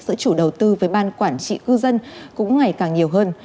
giữa chủ đầu tư với ban quản trị cư dân cũng ngày càng nhiều hơn